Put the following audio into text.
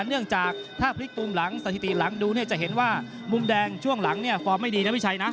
เนื่องจากถ้าพลิกตูมหลังสถิติหลังดูเนี่ยจะเห็นว่ามุมแดงช่วงหลังเนี่ยฟอร์มไม่ดีนะพี่ชัยนะ